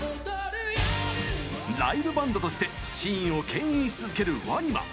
ライブバンドとしてシーンをけん引し続けるＷＡＮＩＭＡ。